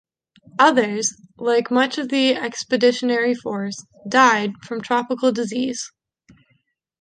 Others, like much of the expeditionary force, died from tropical diseases.